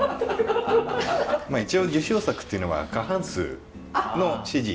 まあ一応受賞作っていうのは過半数の支持